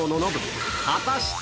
果たして⁉